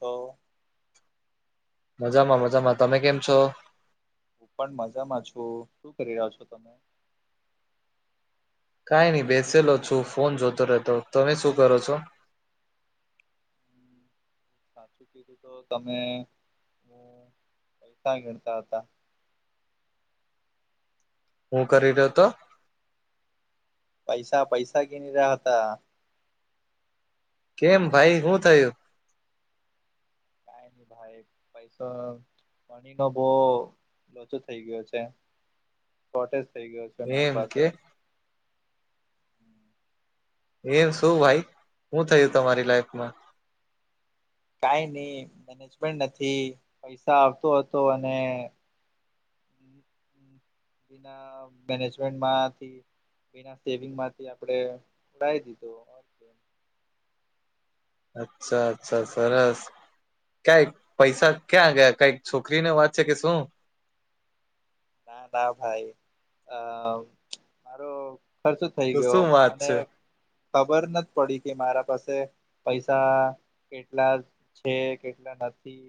તો મજામાં મજામાં તમે કેમ છો? હું પણ મજામાં છું શું કરી રહ્યા છો તમે? કઈ નઈ બેસેલો છું ફોન જોતો રહેતો તમે શું કરો છો? હમ સાચું કીધું તો તમે હ પૈસા ગણતા હતા હું કરી રહ્યો હતો પૈસા પૈસા ગીની રહ્યા હતા કેમ ભાઈ શું થયું? કઈ નહી ભાઈ પૈસા પાણી નો બહુ લોચો થઇ ગયો છે. શોટેજ થઇ ગયો છે મારી એમ પાસે કે એમ શું ભાઈ શું થયું તમારી લાઈફમાં? કઈ નહી મેનેજમેન્ટ નથી પૈસા આવતો હતો અને [inaudible] [unintelligible] મેનેજમેન્ટ માંથી સેવિંગમાંથી ઉડાઈ દીધો અચ્છા અચ્છા સરસ ક્યાંઈ પૈસા ક્યાં ગયા કઈક છોકરી ને વાત છે કે શું ના ના ભાઈ અ મારો ખર્ચો થઈ તો ગયો શું વાત મને છે ખબર નથી પડી કે મારા પાસે પૈસા કેટલા છે કેટલા નથી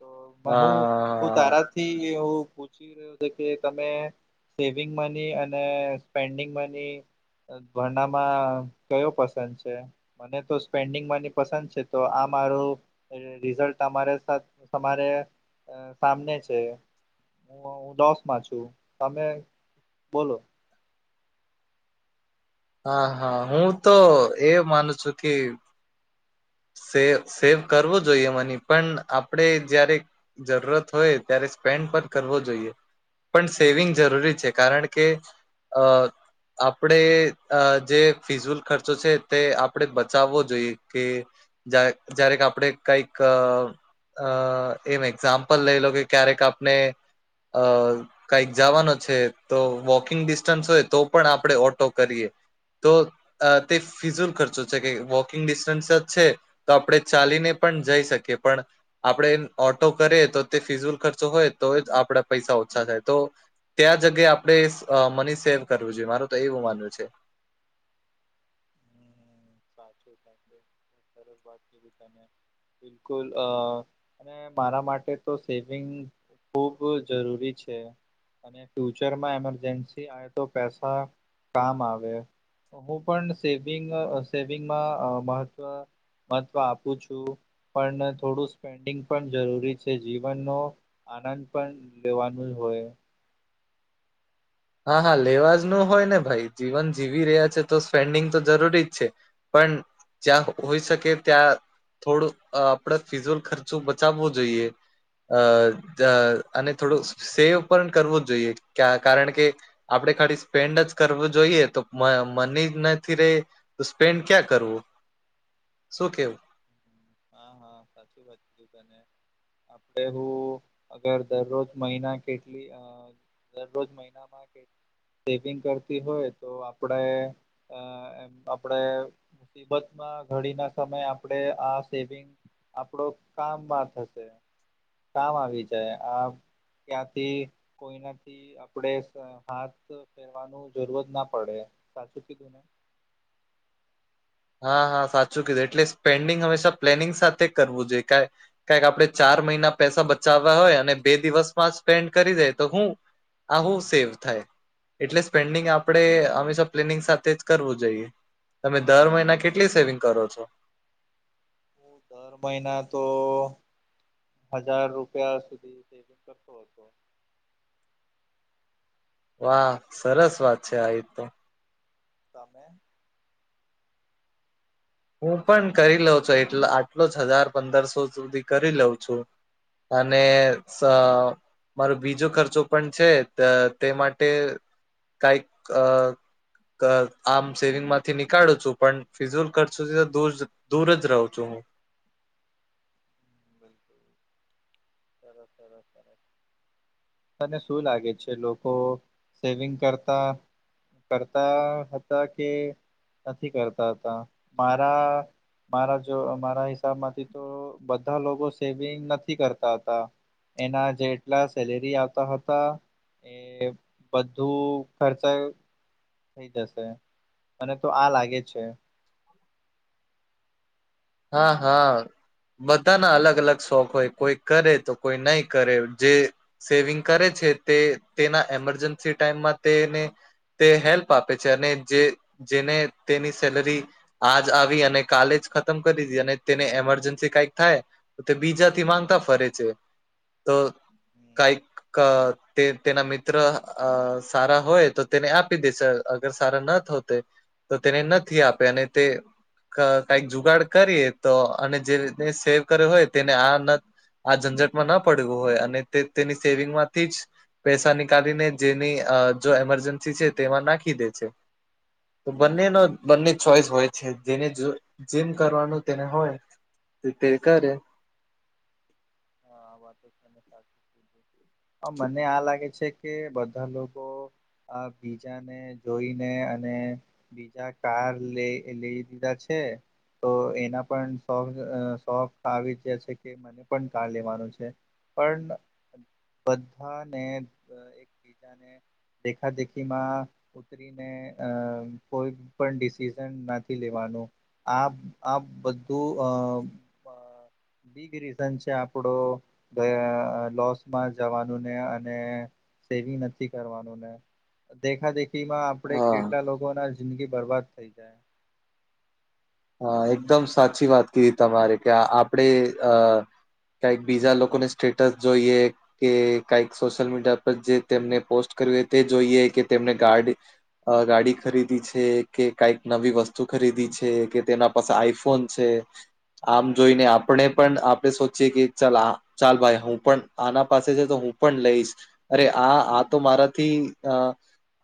તો હું હું હા તારા થી એવુ પૂછી કે તમે સેવિંગ મની અને સ્પેન્ડિંગ મની ભરણામાં કયો પસંદ છે. મને તો સ્પેન્ડિંગ મની પસંદ છે તો આ મારું રિઝલ્ટ તમારે સાથ તમારે અ સામને છે. હું હું લોસમાં છું તમે બોલો. હા હા હું તો એ માનું છું કી સે સેવ કરવો જોઈએ મની પણ આપણેે જ્યારે જરૂરત હોય ત્યારે સ્પેન્ડ પણ કરવો જોઈએ. પણ સેવિંગ જરૂરી છે કારણ કે અ આપણે અ જે ફિઝુલ ખર્ચો છે તે આપણે બચાવવો જોઈએ કે જા જ્યારેક આપણે કંઈક અ એમ એક્ઝામ્પલ લઈ લો કે ક્યારેક આપને અ કાઈક જવાનો છે તો વોકિંગ ડિસ્ટન્સ હોય તો પણ આપણે ઓટો કરીએ. તો અ તે ફિઝુલ ખર્ચો છે કે વોકિંગ ડિસ્ટન્સ છે તો આપણે ચાલીને પણ જઈ શકીએ પણ આપણે ઓટો કરીએ તો તે ફિઝુલ ખર્ચો હોય તો જ આપડા પૈસા ઓછા થાય તો ત્યાં જગ્યાએ આપડે અ મની સેવ કરવું જોઈએ મારું તો એવું માનવું છે. સાચું સાથે સરસ વાત કીધી તમે બિલકુલ અ અને મારા માટે તો સેવિંગ ખૂબ જરૂરી છે. અને ફ્યુચરમાં એમરજન્સી આવે તો પૈસા કામ આવે. હું પણ સેવિંગ અ સેવિંગમાં અ મહત્વ મહત્વ આપું છું. પણ થોડું સ્પેન્ડિંગ પણ જરૂરી છે જીવનનો આનંદ પણ લેવાનું જ હોય. હા હા લેવા જ નું હોય ને ભાઈ જીવન જીવી રહ્યા છે તો સ્પેન્ડિંગ તો જરૂરી જ છે. પણ જ્યા હોઈ શકે ત્યાં થોડું અ આપણેે ફિઝુલ ખર્ચો બચાવવો જોઈએ. અ ત અને થોડુંક સેવ પણ કરવો જ જોઈએ કયા કારણ કે આપણે ખાલી સ્પેન્ડ જ કરવું જોઈએ તો મ મની નથી રે. તો સ્પેન્ડ ક્યાં કરવું શું કેવું? હા હા સાચી વાત છે. આપડે હું અગર દરરોજ મહિના કેટલી અ દરરોજ મહિનામાં સેવિંગ કરતી હોય તો અ આપડે એમ આપડે મુસીબતમાં ઘડીના સમયે આપણેે આ સેવિંગ આપડો કામમાં થશે. કામ આવી જાય આ ક્યાંથી કોઈનાથી આપડે સ હાથ ફેરવાનું જરૂર જ ના પડે સાચું કીધું ને? હા હા સાચું કીધું એટલે સ્પેન્ડિંગ હંમેશા પ્લેનિંગ સાથે કરવું જોઈએ કા કાઈક આપણે ચાર મહિના પૈસા બચાવવા હોય અને બે દિવસમાં સ્પેન્ડ કરી દયે તો હું આ હું સેવ થાય? એટલે સ્પેન્ડિંગ આપણે હંમેશા પ્લેનિંગ સાથે જ કરવું જોઈએ તમે દર મહિ ને કેટલી સેવિંગ કરો છો? હું દર મહિના તો હજાર રૂપિયા સુધી સેવિંગ કરતો હતો. વાહ! સરસ વાત છે આ એ તો. તમે હું પણ કરી લઉ છું એટ આટલો જ હજાર પંદરસો સુધી કરી લઉં છું. અને સ મારો બીજો ખર્ચો પણ છે ત તે માટે કાઈક અ ક આમ સેવિંગમાંથી નીકાળું છું પણ ફિઝુલ કર સુત તો દૂર દૂર જ રહું છું હું. બિલકુલ. ચાલો સરો સર તને શું લાગે છે લોકો સેવિંગ કરતા કરતા હતા કે નથી કરતા હતા મારા મારા જો મારા હિસાબ માંથી તો બધા લોકો સેવિંગ નથી કરતા એના જેટલા સેલેરી આવતા હતા એ બધું ખર્ચા થઈ જશે અને તો આ લાગે છે હા હા બધાના અલગ અલગ શોખ હોય કોઈ કરે તો કોઈ નહી કરે જે સેવિંગ કરે છે તે તેના એમરજન્સી ટાઈમમાં તેને તે હેલ્પ આપે છે અને જે જેને તેની સેલરી આજ આવી અને કાલેજ ખમ કરીી અને તેને એમરજન્સી કઈક થાય તો તે બીજા થી માંગતા ફરે છે તો હમ, કઈ તે તેના મિત્ર સારા હોય તો તેને આપી દેશે અગર સારા ના થ તો તેને નથી આપે અને તે કઈક જુગાડ કરીએ તો અને જે રી સેવ કર્યો હોય તેને આ આ ઝંઝટમાં ન પડવું હોય અને તે તેની સેવિંગમાંથી જ પૈસા નીિકળીને જેની જો એમરજન્સી છે તેમાં નાખી દે છે તો બંનેનો હમ, આ બંને ચોઈસ હોય છે જેને જો જીમ કરવાનું તેને હોય તે કરે હા વાત તમે સા આ વર્ષે શેર બજારમાં ઘણા રોકાણકારો ને સારા નફા સાથે લાભ મળ્યો હતો અ મને આ લાગે છે કે બધા લોકો આ બીજાને જોઈને અને બીજા કાર લે લઈ દીધા છે તો એના પણ સઅ સોફ્ટ આવી જસે છે કે મને પણ આ લેવાનું છે પણ બધાને એક અને દેખા દેખી માં તરી ને અ કોઈ પણ ડિસિઝન નથી લેવાનું આ આ બધું અ બીગ રીઝન છે આપડો અ લોસમાં જવાનુંને અને સેવી નથી કરવાનું ને દેખા દેખી માં આપડે હા કેટલા લોકો ના જિંદગી બરબાદ થઈ હ એકદમ સાચી વાત કહી તમારે કે આપણેે અ કઈ બીજા લોકોને સ્ટેટસ જોઈએ કે કઈક સોશિયલ મીડિયા પર જે તેમને પોસ્ટ કર્યું હો તે જોઈએ કે તેમને ગાર્ડ અ ગાડી ખરીદી છે કે કઈક નવી વસ્તુ ખરીદી છે કે તેના પાસે આઈફોન છે આમ જોઈને આપણે પણ આપણે સોચીએ કે ચાલ આ ચાલ ભાઈ હું પણ આના પાસે છે તો હું પણ લઈશ અરે આ આ તો મારાથી અ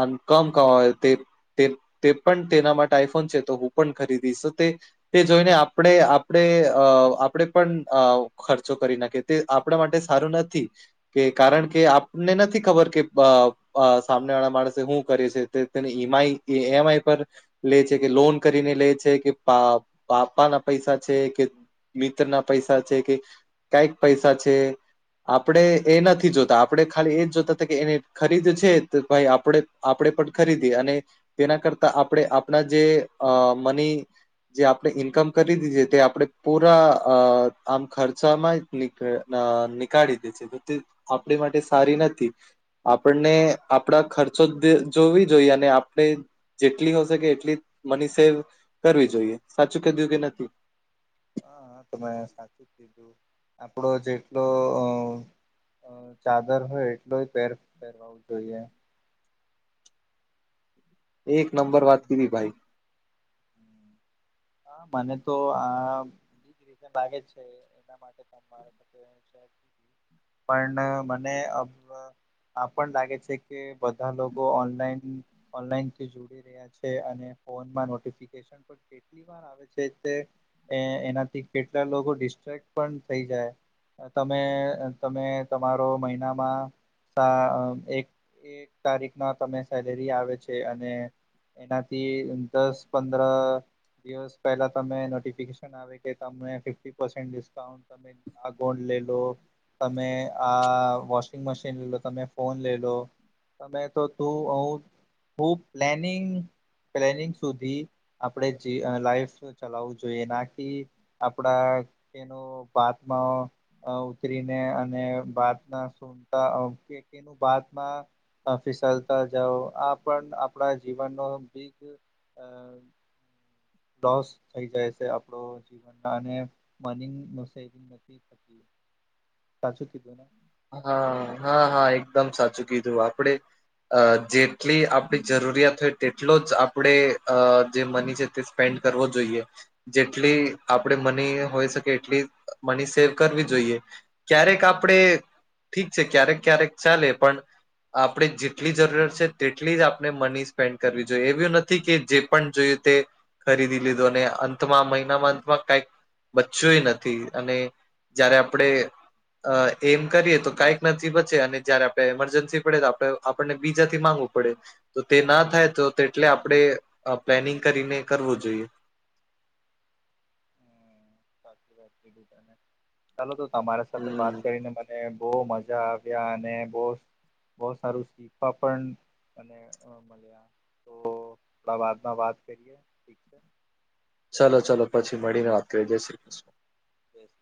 આમ કમ કમાવેલ તે તે તે પણ તેના માટે આઈફોન છે તો હું પણ ખરીદી દિસતે તે જોઈને આપણે આપણે અ આપણેે પણઅ ખર્ચો કરી કે તે આપણા માટે સારું નથી કે કારણ કે આપને નથી ખબર કે બઅ સામને વાળા માણસે હું કરે છે તે એમાઈ એમાંય પર લે છે કે લોન કરીને લે છે કે પા પાપા ના પૈસા છે કે મિત ના પૈસા છે કે કઈક પૈસા છે આપણે એ નથી જોતા આપડણે ખાલી એ જ જોતા હતા કે એને ખરીદ છે ભાઈ આપ આપણે પણ ખરીદી અને તેના કરતા આપણે આપણા જે અ મની જે આપણે ઈન્કમ કરી દીે તે આપણેે પૂરા અ આમ ખર્ચામાં નિકઅ નીકાળી દે છે તો તે આપણી માટે સારી નથી આપણને આપણા ખર્ચો દો જોવી જોઈએ અને આપણે જેટલી હોશેકે એટલી મની સેવ કરવી જોઈએ સાચું કીધું કે હા હા તો મે સાચું જ કીધું આપડો જેટલો અ અ ચાદર હોય એટલો જ પેર ફેલાવવો જોઈએ એક નંબર વાત કીધી ભાઈ હા મને તો આ બીજ રીન લાગે છે એના માટે પણ મને અપ આપ પણ લાગે છે કે બધા લોકો ઓનલાઈન ઓનલાઈન થી જોડી જોયા છે અને ફોન માં નોટિફિકેશન પણ દ્વારા આવે છે તે એનાથી કેટલા લોકો ડિસ્ટક્ટ પણ થઈ જાય તમે તમે તમારો મહિનામાં ત એક એક તારીખ ના તમે સેલેરી આવે છે અને એનાથી દસ પંદર દિવસ પહેલા તમે નોટિફિકેશન હવે કે તમે ફિફ્ટી પરસેંડ ડિસ્કાઉન્ટ તમે આ ગોળ લે લો તમે આ વોશિંગ મશીન લે લો તમે ફોન લે લો તમે તો તું હું હું પ્લેનિંગ પ્લેનિંગ સુધી આપણે જે લાઈફ ચલાવવું જોઈએ નાકી આપડા તેનું ભાતમાં ઉતરીને અને ભાત ના સુ સર ઓકે બાતમાં ફીસલતા જાઓ આ પણ આપણા જીવનનો બીગ અ લોસ થઈ જાય છે આપડો જીવનમાં મનીનું સેવિંગ નથી થતું. સાચું કીધું? હા, હા, હા એકદમ સાચું કીધું, આપડે અ જેટલી આપડી જરૂરિયાત હોય તેટલો જ આપડે અ જે મની છે તે સ્પેડ કરવો જોઈએ. જેટલી આપડે મની હોય શકે એટલી મની સેવ કરવી જોઈએ. ક્યારેક આપડે ઠીક છે, ક્યારેક ક્યારેક ચાલે પણ આપડે જેટલી જરૂરિયાત છે તેટલી જ આપડે મની સ્પેન્ડ કરવી જોઈએ એવું નથી કે જે પણ જોય તે ખરીદી લીધું અને અંતમાં મહિનામાં અંતમાં કાઈક બચ્યું એ નથી અને જયારે આપડે અ એમ કરીએ તો કાંઈક નથી બચે અને જયારે આપડે એમરજન્સી પડે તો આપડે આપણને બીજાથી માંગવું પડે. તો તે ના થાય તો તેટલે આપડે પ્લેનિંગ કરીને કરવું જોઈએ. સાચી વાત કીધી તમે, ચાલો તો તમારા સાથે હમ વાત કરીને મને બઉ મજા આવ્યા અને બહુ બઉ સારું શીખવા પણ અને અ તો બાદમાં વાત કરીએ ઠીક છે. ચલો ચલો પછી મળીને વાત કરીએ, જય શ્રી કૃષ્ણ. જય સી